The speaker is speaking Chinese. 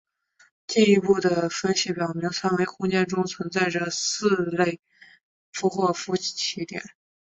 进一步的分析表明三维空间中存在着四类范霍夫奇点。